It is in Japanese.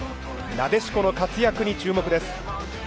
なでしこの活躍に注目です。